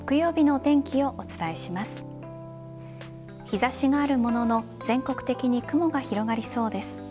日差しがあるものの全国的に雲が広がりそうです。